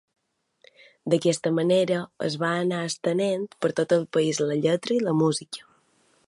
D'aquesta manera es va anar estenent per tot el país la lletra i la música.